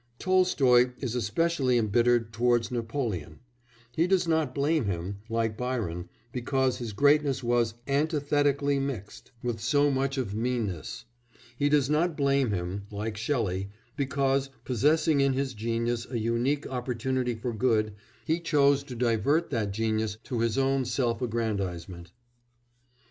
Tolstoy is especially embittered towards Napoleon; he does not blame him, like Byron, because his greatness was "antithetically mixed" with so much of meanness; he does not blame him, like Shelley, because, possessing in his genius a unique opportunity for good, he chose to divert that genius to his own self aggrandisement.